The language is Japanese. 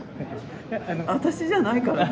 私じゃないからね。